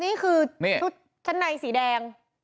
นี่คือชุดชั้นในสีแดง